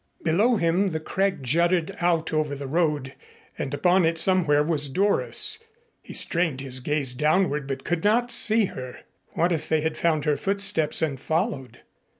Below him the crag jutted out over the road and upon it somewhere was Doris. He strained his gaze downward but could not see her. What if they had found her footsteps and followed?